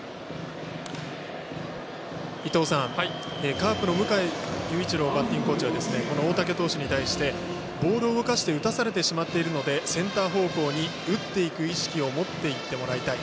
カープの迎祐一郎バッティングコーチは大竹投手に対してボールを動かして打たされてしまっているのでセンター方向に打っていく意識を持っていってもらいたい。